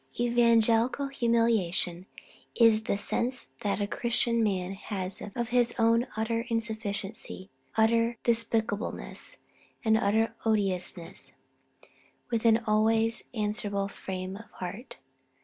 "Evangelical humiliation is the sense that a Christian man has of his own utter insufficiency, utter despicableness, and utter odiousness; with an always answerable frame of heart.